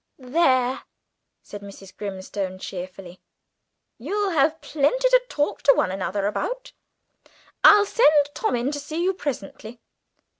"There!" said Mrs. Grimstone cheerfully, "you'll have plenty to talk to one another about. I'll send Tom in to see you presently!"